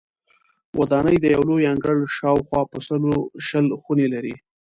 ودانۍ د یو لوی انګړ شاوخوا په سلو شل خونې لري.